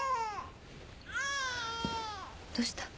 どうした？